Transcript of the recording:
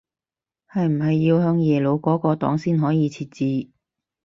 係唔係要向耶魯嗰個檔先可以設置